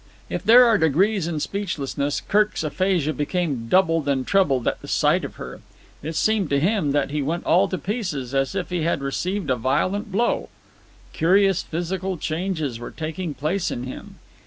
If there are degrees in speechlessness, Kirk's aphasia became doubled and trebled at the sight of her. It seemed to him that he went all to pieces, as if he had received a violent blow. Curious physical changes were taking place in him.